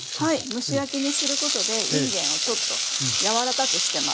蒸し焼きにすることでいんげんをちょっとやわらかくしてます。